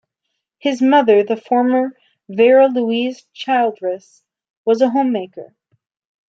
His mother, the former Vera Louise Childress, was a homemaker.